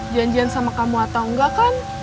janjian sama kamu atau enggak kan